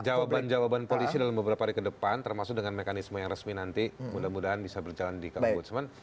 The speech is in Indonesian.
jawaban jawaban polisi dalam beberapa hari ke depan termasuk dengan mekanisme yang resmi nanti mudah mudahan bisa berjalan di kabupaten